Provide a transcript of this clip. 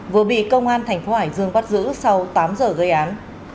vừa bị công an thành phố hải dương bắt giữ sau tám giờ gây án